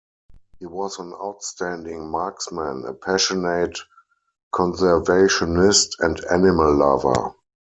He was an outstanding marksman, a passionate conservationist and animal lover.